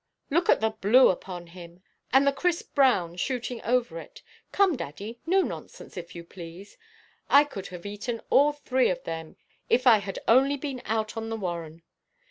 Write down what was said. Look at the blue upon him, and the crisp brown shooting over it! Come, daddy, no nonsense, if you please. I could have eaten all three of them if I had only been out on the warren.